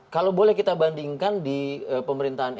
kalau boleh kita bandingkan di pemerintahan